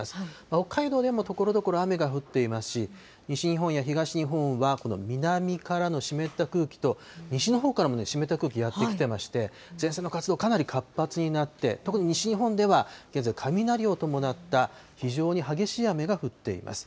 北海道でもところどころ雨が降っていますし、西日本や東日本はこの南からの湿った空気と、西のほうからも湿った空気やって来てまして、前線の活動、かなり活発になって、特に西日本では現在、雷を伴った非常に激しい雨が降っています。